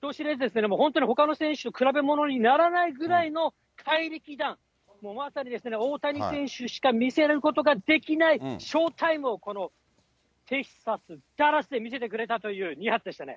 ほかの選手と比べ物にならないくらいの怪力弾、まさにですね、大谷選手しか見せれることのできないショータイムをこのテキサス・ダラスで見せてくれたという２発でしたね。